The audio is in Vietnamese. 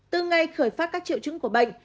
từ ngày khởi phát các triệu chứng của bệnh